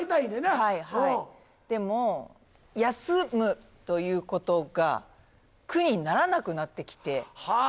はいはいでも休むということが苦にならなくなってきては！